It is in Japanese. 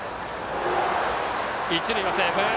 一塁はセーフ。